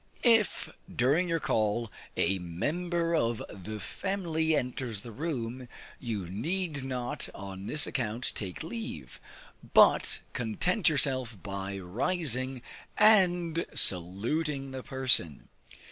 If, during your call, a member of the family enters the room, you need not on this account take leave, but content yourself by rising, and saluting the person.